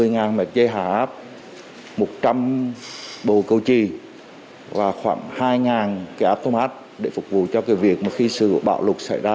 một mươi ngàn mạch dây hạ áp một trăm linh bồ câu chi và khoảng hai ngàn cái áp thông áp để phục vụ cho việc khi sự bạo lục xảy ra